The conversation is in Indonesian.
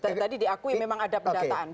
dari tadi diakui memang ada pendataan